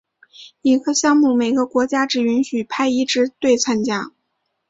一个项目每个国家只允许派一支队参加。